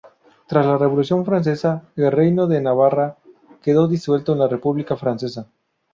Tras la Revolución francesa el Reino de Navarra quedó disuelto en la República Francesa.